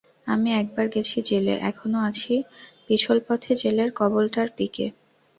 আমি একবার গেছি জেলে, এখনো আছি পিছল পথে জেলের কবলটার দিকে।